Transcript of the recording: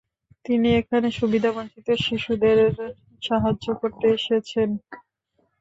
তিনি এখানে সুবিধাবঞ্চিত শিশুদের সাহায্য করতে এসেছেন।